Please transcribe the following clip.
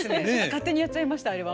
勝手にやっちゃいましたあれは。